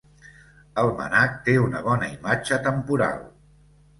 El MNAC té una bona imatge temporal.